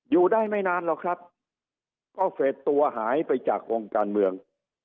อยู่ได้ไม่นานหรอกครับก็เฟสตัวหายไปจากวงการเมือง